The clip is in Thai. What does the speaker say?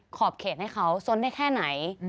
ขอบเขตให้เขาสนได้แค่ไหน